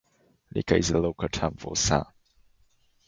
Rika is the local term for son.